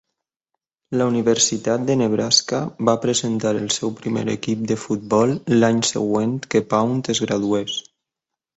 La Universitat de Nebraska va presentar el seu primer equip de futbol l'any següent que Pound es gradués.